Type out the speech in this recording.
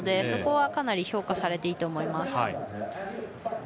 そこはかなり評価されていると思います。